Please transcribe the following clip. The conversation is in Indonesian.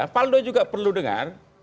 paldo juga perlu dengar